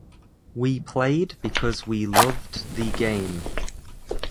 We played because we loved the game.